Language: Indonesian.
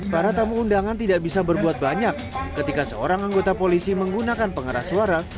para tamu undangan tidak bisa berbuat banyak ketika seorang anggota polisi menggunakan pengeras suara